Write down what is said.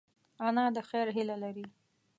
انا د خیر هیله لري